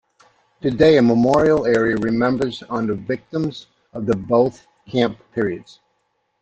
Today a memorial area remembers on the victims of both camp periods.